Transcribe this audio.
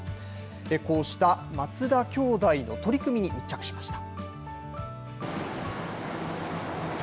こうした松田兄弟の取り組みに密着しました。